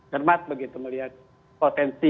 cermat begitu melihat potensi